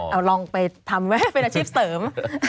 เอาลองไปทำไว้เป็นอาชีพเสริม